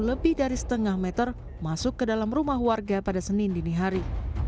lebih dari setengah meter masuk ke dalam rumah warga pada senin dini hari